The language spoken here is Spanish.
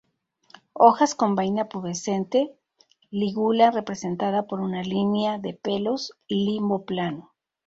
Hojas con vaina pubescente; lígula representada por una línea de pelos; limbo plano.